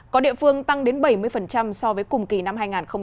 có địa phương tăng đến bảy mươi so với cùng kỳ năm hai nghìn một mươi tám